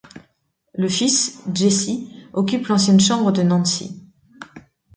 Le fils, Jesse, occupe l'ancienne chambre de Nancy.